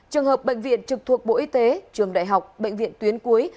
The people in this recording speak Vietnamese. trường hợp bệnh viện trực thuộc bộ y tế trường đại học bệnh viện tuyến cuối